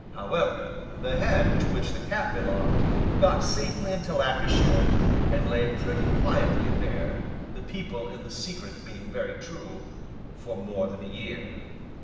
However, the head to which the cap belonged, got safely into Lancashire, and lay pretty quietly there (the people in the secret being very true) for more than a year.